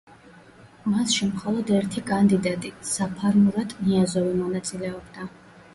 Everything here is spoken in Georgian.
მასში მხოლოდ ერთი კანდიდატი, საფარმურატ ნიაზოვი მონაწილეობდა.